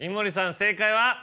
正解は？